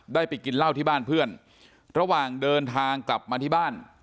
ไปกินเหล้าที่บ้านเพื่อนระหว่างเดินทางกลับมาที่บ้าน